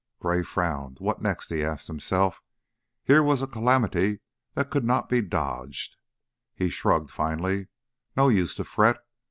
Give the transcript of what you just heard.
Gray frowned. What next? he asked himself. Here was a calamity that could not be dodged. He shrugged, finally. "No use to fret.